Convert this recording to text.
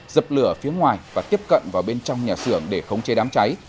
dập lửa phía ngoài và tiếp cận vào bên trong nhà xưởng để khống chế đám cháy